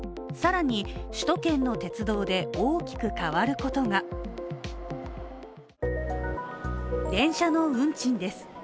更に、首都圏の鉄道で大きく変わることが電車の運賃です。